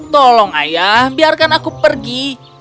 tolong ayah biarkan aku pergi